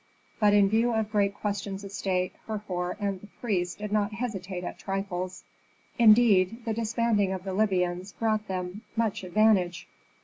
But in view of great questions of state, Herhor and the priests did not hesitate at trifles. Indeed, the disbanding of the Libyans brought them much advantage.